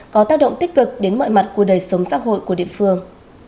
có tác động tích cực đến mọi mặt của đời sống xã hội của địa phương